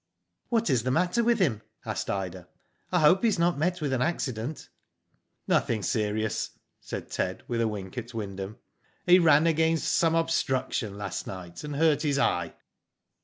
*' ''What is the matter with him?" asked Ida. ''I hope he has not met with an accident." "Nothing serious," said Ted, with a wink at Wyndham. " He ran against some obstruction last night and hurt his eye.